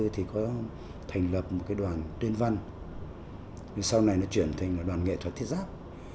một nghìn chín trăm bảy mươi bốn thì có thành lập một đoàn tuyên văn sau này nó chuyển thành đoàn nghệ thuật thiết giáp